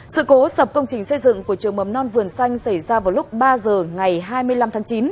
sự cố sập công trình xây dựng của trường mầm non vườn xanh xảy ra vào lúc ba giờ ngày hai mươi năm tháng chín